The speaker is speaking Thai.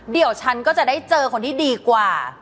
เดี๋ยวฉันก็จะได้เจอคนที่ดีกว่า